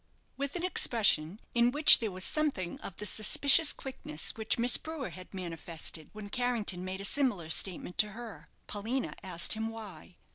With an expression in which there was something of the suspicious quickness which Miss Brewer had manifested when Carrington made a similar statement to her, Paulina asked him why.